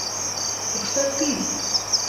Кушто пӱй?